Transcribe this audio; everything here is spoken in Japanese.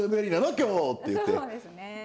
今日」って言って。